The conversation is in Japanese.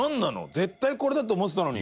絶対これだと思ってたのに。